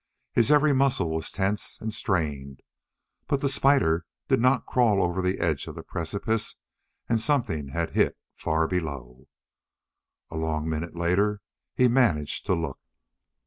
His every muscle was tense and strained. But the spider did not crawl over the edge of the precipice and something had hit far below. A long minute later he managed to look.